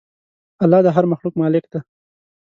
الله د هر مخلوق مالک دی.